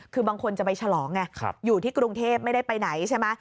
คือบางคนจะไปฉลองไงอยู่ที่กรุงเทพไม่ได้ไปไหนใช่ไหม